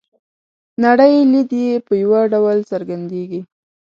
نړۍ لید یې په یوه ډول څرګندیږي.